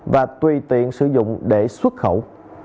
và tùy tiện sử dụng để xuất khẩu